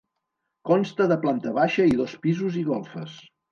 Consta de planta baixa i dos pisos i golfes.